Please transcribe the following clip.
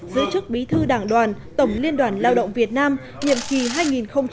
giữ chức bí thư đảng đoàn tổng liên đoàn lao động việt nam nhiệm kỳ hai nghìn một mươi tám hai nghìn hai mươi ba